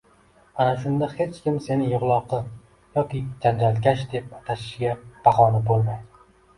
Ana shunda hech kim seni yig‘loqi yoki janjalkash deb atashiga bahona bo‘lmaydi.